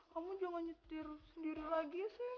kamu jangan nyetir sendiri lagi